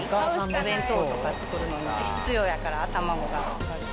お弁当とか作るのに必要やから、卵が。